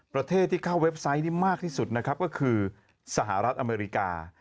ประเทศที่เข้าเว็บไซต์นี่มากที่สุดนะครับก็คือสหรัฐอเมริกา